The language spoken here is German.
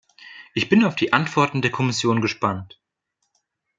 Ich bin auf die Antworten der Kommission gespannt.